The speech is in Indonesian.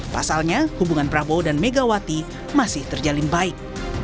pasalnya hubungan prabowo dan megawati masih terjalin baik